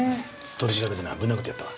取り調べでブン殴ってやったわ。